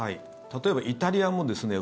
例えばイタリアもですね